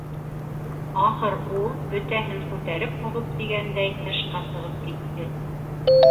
Ахыр ул, бөтәһен күтәреп һуғып тигәндәй, тышҡа сығып китте.